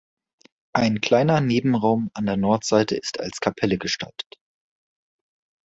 Ein kleinerer Nebenraum an der Nordostseite ist als Kapelle gestaltet.